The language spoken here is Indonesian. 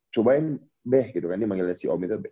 cobain deh gitu kan ini manggilnya si om itu